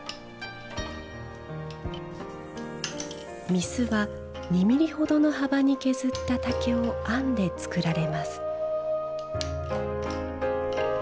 御簾は２ｍｍほどの幅に削った竹を編んで作られます。